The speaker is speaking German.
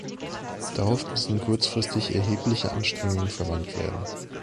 Darauf müssen kurzfristig erhebliche Anstrengungen verwandt werden.